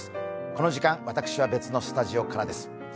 この時間、私は別のスタジオからです。